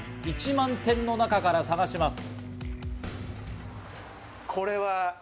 １万点の中から探します。